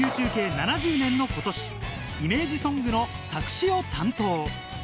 ７０年のことし、イメージソングの作詞を担当。